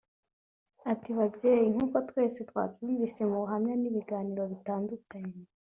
Ati “ Babyeyi nk’uko twese twabyumvise mu buhamya n’ibiganiro bitandukanye